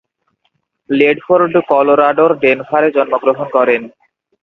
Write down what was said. Ledford কলোরাডোর ডেনভারে জন্মগ্রহণ করেন।